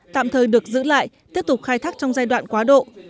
tạm thời được giữ lại tiếp tục khai thác trong giai đoạn quá độ